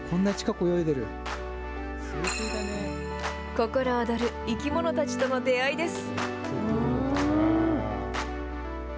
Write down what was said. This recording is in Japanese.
心躍る生き物たちとの出会いです。